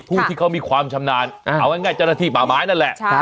ผู้ที่เขามีความชำนาญเอาง่ายเจ้าหน้าที่ป่าไม้นั่นแหละ